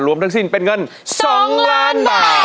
ทั้งสิ้นเป็นเงิน๒ล้านบาท